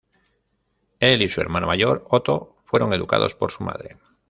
Él y su hermano mayor Otto fueron educados por su madre.